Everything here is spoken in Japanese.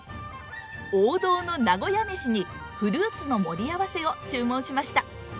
王道の名古屋めしにフルーツの盛り合わせを注文しました。